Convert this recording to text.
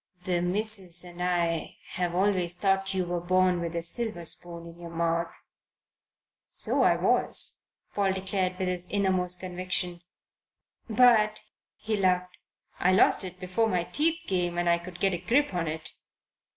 "The missus and I have always thought you were born with a silver spoon in your mouth." "So I was," Paul declared from his innermost conviction. "But," he laughed, "I lost it before my teeth came and I could get a grip on it."